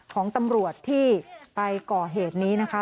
ของตำรวจที่ไปก่อเหตุนี้นะคะ